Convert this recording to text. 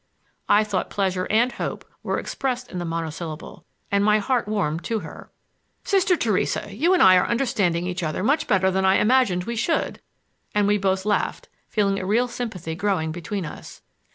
I thought pleasure and hope were expressed in the monosyllable, and my heart warmed to her. "Sister Theresa, you and I are understanding each other much better than I imagined we should,"—and we both laughed, feeling a real sympathy growing between us.